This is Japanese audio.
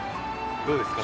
どうですか？